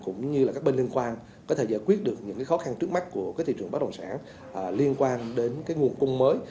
cũng như các bên liên quan có thể giải quyết được những khó khăn trước mắt của thị trường bất đồng sản liên quan đến nguồn cung mới